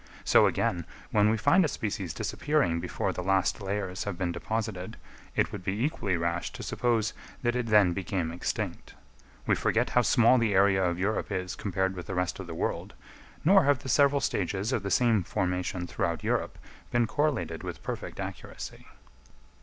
So again, when we find a species disappearing before the last layers have been deposited, it would be equally rash to suppose that it then became extinct. We forget how small the area of Europe is compared with the rest of the world; nor have the several stages of the same formation throughout Europe been correlated with perfect accuracy.